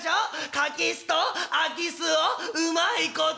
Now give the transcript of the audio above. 柿酢と空き巣をうまいこと」。